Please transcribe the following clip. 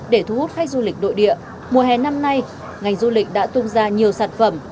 để thu hút khách du lịch nội địa mùa hè năm nay ngành du lịch đã tung ra nhiều sản phẩm